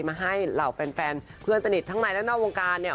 มาให้เหล่าแฟนเพื่อนสนิททั้งในและนอกวงการเนี่ย